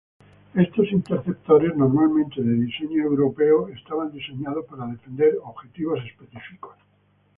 Estos interceptores, normalmente de diseño europeo, estaban diseñados para defender objetivos específicos.